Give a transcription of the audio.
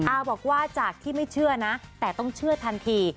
บอกว่าจากที่ไม่เชื่อนะแต่ต้องเชื่อทันที